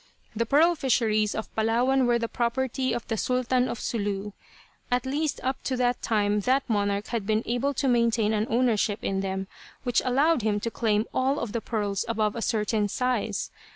The pearl fisheries of Palawan were the property of the Sultan of Sulu. At least up to that time that monarch had been able to maintain an ownership in them which allowed him to claim all of the pearls above a certain size.